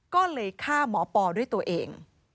ก็เลยฆ่าหมอปอด้วยตัวเอง